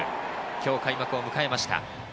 今日開幕を迎えました。